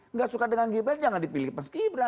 enggak suka dengan gibran jangan dipilih pas gibran